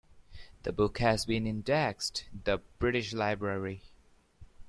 The book has been indexed The British Library.